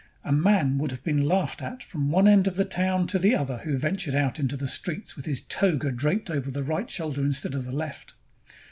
A man would have been laughed at from one end of the town to the other who ventured out into the streets with his toga draped over the right shoulder instead of the left.